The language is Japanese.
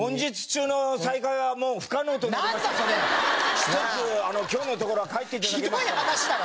「ひとつ今日のところは帰っていただけますか」。